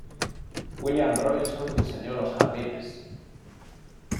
William Robinson diseñó los jardines.